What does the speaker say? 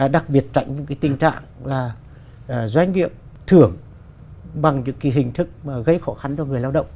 đặc biệt tránh những cái tình trạng là doanh nghiệp thưởng bằng những cái hình thức mà gây khó khăn cho người lao động